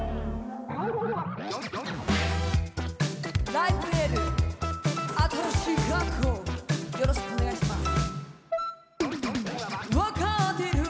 「ライブ・エール」新しい学校よろしくお願いします。